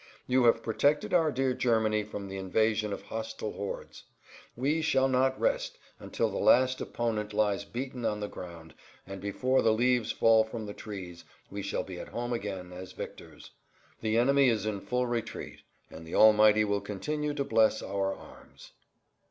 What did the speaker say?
You have protected our dear Germany from the invasion of hostile hordes. We shall not rest until the last opponent lies beaten on the ground, and before the leaves fall from the trees we shall be at home again as[Pg 76] victors. The enemy is in full retreat, and the Almighty will continue to bless our arms."